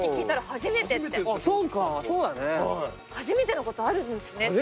初めてのことあるんですね